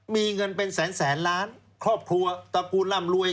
มีเงินเป็นแสนแสนล้านครอบครัวตระกูลร่ำรวย